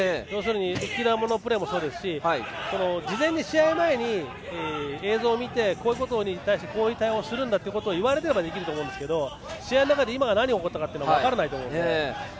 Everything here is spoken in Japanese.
浮き球もそうですし事前に試合前に映像を見てこういうことに対してこういう対応をするんだと言われていればできると思いますが試合の中で今何が起こったかって分からないと思うので。